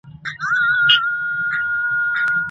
عقل او احساسات باید همغږي ولري.